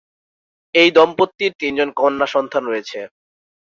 এই দম্পতির তিনজন কন্যাসন্তান রয়েছে।